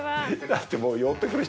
だってもう。